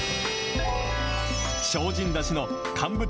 精進だしの乾物